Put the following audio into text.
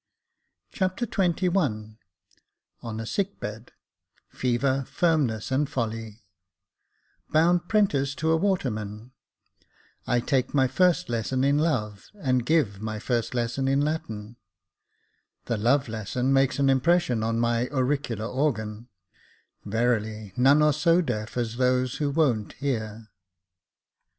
Chapter XXI On a sick bed — Fever, firmness, and folly —" Bound 'prentice to a water man "— I take my first lesson in love, and give my first lesson in Latin — The love lesson makes an impression on my auricular organ — Verily, none are so deaf as those who won't hear.